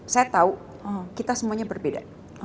saya tahu kita semuanya berbeda